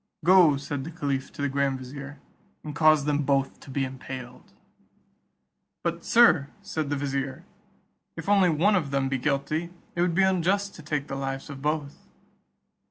"Go," said the caliph to the grand vizier, "and cause them both to be impaled." "But, Sir," said the vizier, "if only one of them be guilty, it would be unjust to take the lives of both."